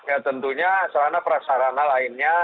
ya tentunya salah satu perasarana lainnya